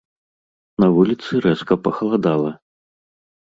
На вуліцы рэзка пахаладала.